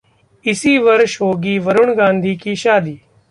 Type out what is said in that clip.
इसी वर्ष होगी वरुण गांधी की शादी